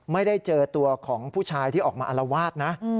ไม่ได้เจอตัวของผู้ชายที่ออกมาอารวาสนะ